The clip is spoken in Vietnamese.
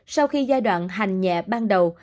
sau khi giai đoạn hành nhẹ ban đầu